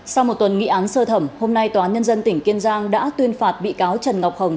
sau một tuần nghị án sơ thẩm hôm nay tòa án nhân dân tỉnh kiên giang đã tuyên phạt bị cáo trần ngọc hồng